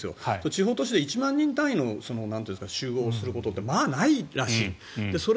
地方都市で１万人単位の集合することってまあ、ないらしい。